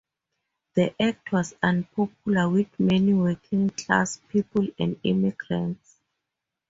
The act was unpopular with many working class people and immigrants.